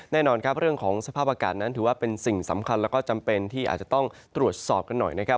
แน่นอนครับเรื่องของสภาพอากาศนั้นถือว่าเป็นสิ่งสำคัญแล้วก็จำเป็นที่อาจจะต้องตรวจสอบกันหน่อยนะครับ